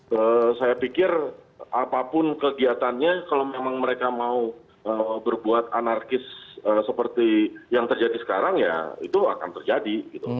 dan saya pikir apapun kegiatannya kalau memang mereka mau berbuat anarkis seperti yang terjadi sekarang ya itu akan terjadi